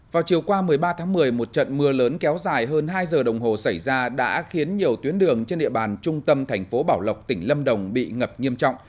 vào chiều qua một mươi ba tháng một mươi một trận mưa lớn kéo dài hơn hai giờ đồng hồ xảy ra đã khiến nhiều tuyến đường trên địa bàn trung tâm thành phố bảo lộc tỉnh lâm đồng bị ngập nghiêm trọng